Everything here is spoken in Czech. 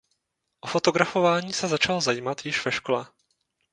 O fotografování se začal zajímat již ve škole.